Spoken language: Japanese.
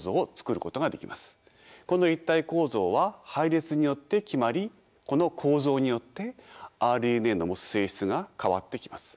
この立体構造は配列によって決まりこの構造によってＲＮＡの持つ性質が変わってきます。